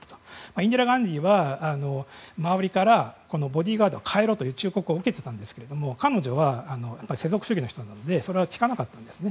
インディラ・ガンディーは周りからボディーガードを代えろという忠告を受けてたんですけど彼女は、世俗主義の人なのでそれを聞かなかったんですね。